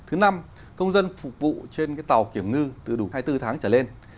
thứ năm công dân phục vụ trên tàu kiểm ngư từ đủ hai mươi bốn tháng trở lên